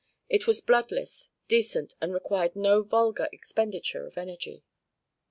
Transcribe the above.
It was bloodless, decent, and required no vulgar expenditure of energy.